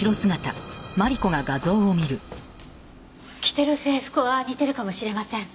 着てる制服は似てるかもしれません。